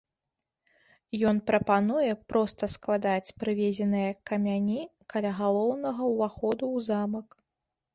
Ён прапануе проста складаць прывезеныя камяні каля галоўнага ўваходу ў замак.